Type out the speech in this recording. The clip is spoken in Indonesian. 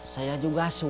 saya juga suka